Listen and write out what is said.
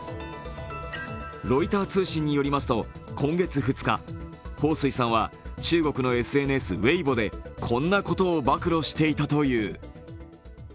ロイター通信によりますと今月２日彭帥さんは中国のＳＮＳＷｅｉｂｏでこんなことを暴露していたという。